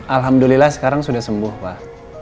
alhamdulillah sekarang sudah sembuh pak